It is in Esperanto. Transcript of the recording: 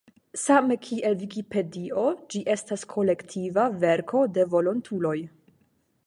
Same kiel Vikipedio, ĝi estas kolektiva verko de volontuloj.